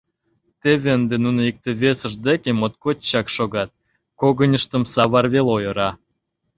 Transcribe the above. Теве ынде нуно икте-весышт деке моткоч чак шогат, когыньыштым савар веле ойыра.